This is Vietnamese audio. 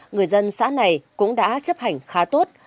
người dân xã này cũng đã chấp hành khá tốt